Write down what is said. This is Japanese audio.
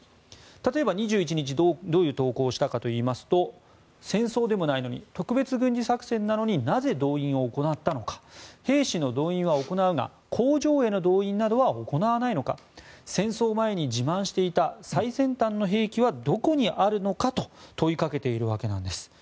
例えば２１日どういう投稿をしたかといいますと戦争でもないのに特別軍事作戦なのになぜ動員を行ったのか兵士の動員は行うが工場への動員などは行わないのか戦争前に自慢していた最先端の兵器はどこにあるのか？と問いかけているわけなんです。